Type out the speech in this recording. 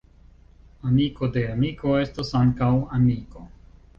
Amiko de amiko estas ankaŭ amiko.